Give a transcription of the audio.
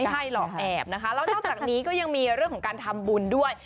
ใช่หลอกแอบนะคะแล้วนอกจากนี้ก็ยังมีเรื่องของการทำบุญด้วย